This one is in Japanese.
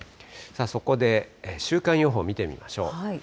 そこで週間予報見てみましょう。